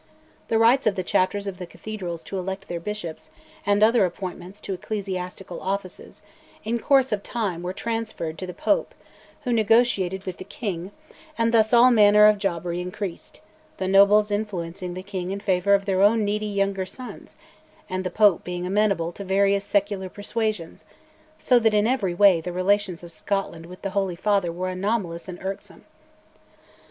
The rights of the chapters of the Cathedrals to elect their bishops, and other appointments to ecclesiastical offices, in course of time were transferred to the Pope, who negotiated with the king, and thus all manner of jobbery increased, the nobles influencing the king in favour of their own needy younger sons, and the Pope being amenable to various secular persuasions, so that in every way the relations of Scotland with the Holy Father were anomalous and irksome.